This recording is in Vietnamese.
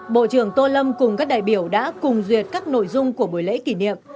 bộ trưởng tô lâm cùng các đại biểu đã cùng duyệt các nội dung của buổi lễ kỷ niệm